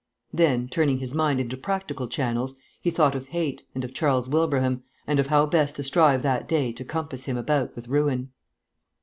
Then, turning his mind into practical channels, he thought of hate, and of Charles Wilbraham, and of how best to strive that day to compass him about with ruin.